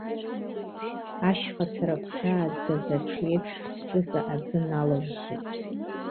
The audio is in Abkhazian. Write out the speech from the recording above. Ашьхацара гәхьаазгаз аҽы еиԥш сҿыҵа аӡы налжжит.